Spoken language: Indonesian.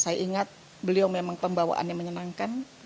saya ingat beliau memang pembawaan yang menyenangkan